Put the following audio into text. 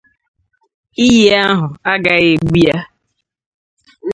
iyi ahụ agaghị egbu ya